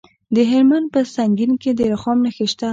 د هلمند په سنګین کې د رخام نښې شته.